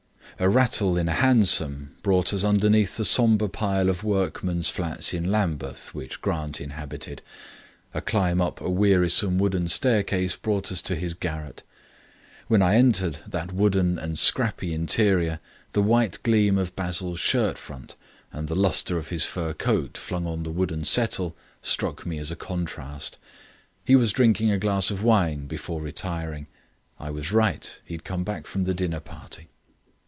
A rattle in a hansom brought us underneath the sombre pile of workmen's flats in Lambeth which Grant inhabited; a climb up a wearisome wooden staircase brought us to his garret. When I entered that wooden and scrappy interior, the white gleam of Basil's shirt front and the lustre of his fur coat flung on the wooden settle, struck me as a contrast. He was drinking a glass of wine before retiring. I was right; he had come back from the dinner party.